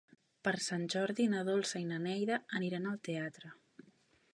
Per Sant Jordi na Dolça i na Neida aniran al teatre.